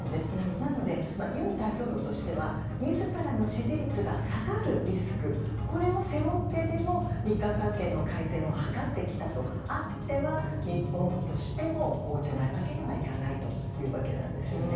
なので、尹大統領としては自らの支持率が下がるリスクこれを背負ってでも日韓関係の改善を図ってきたとあっては日本としても応じないわけにはいかないというわけなんです。